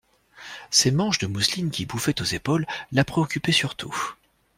Ses manches de mousseline qui bouffaient aux épaules la préoccupaient surtout.